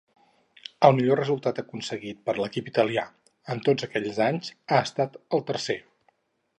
El millor resultat aconseguit per l'equip italià en tots aquests anys ha estat el tercer.